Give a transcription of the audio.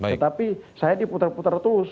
tetapi saya diputar putar terus